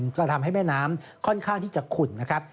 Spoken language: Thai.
ก็ทำให้แม่น้ำค่อนข้างที่จะขุ่นนะครับ